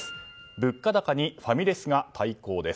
物価高にファミレスが対抗です。